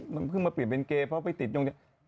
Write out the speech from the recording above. เพิ่งมาเปลี่ยนเป็นเกย์เพราะไปติดโยงเจ็บ